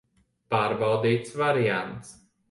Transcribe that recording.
Pārbaudīts variants.